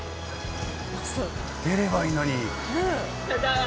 出ればいいのに。